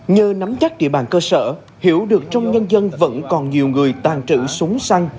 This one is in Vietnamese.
nhờ nắm chắc địa bàn cơ sở hiểu được trong nhân dân vẫn còn nhiều người tàn trữ súng săn